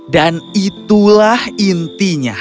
dan itulah intinya